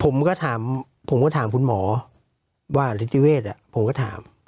ผมก็ถามผมก็ถามคุณหมอว่านิติเวศผมก็ถาม